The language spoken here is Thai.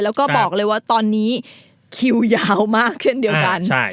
แล้วก็บอกเลยว่าตอนนี้คิวยาวมากเช่นเดียวกัน